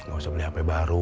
nggak usah beli hp baru